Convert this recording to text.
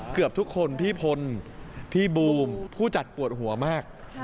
เกือบทุกคนพี่พลพี่บูมผู้จัดปวดหัวมาก